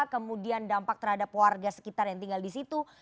kemudian dampak terhadap warga sekitar yang tinggal di situ